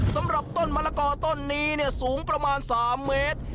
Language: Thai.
สำหรับต้นมะละกอต้นนี้สูงประมาณ๓เมตร